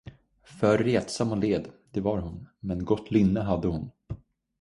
För retsam och led, det var hon, men gott lynne hade hon.